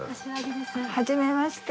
初めまして。